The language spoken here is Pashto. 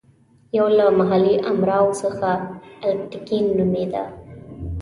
یو له محلي امراوو څخه الپتکین نومېده.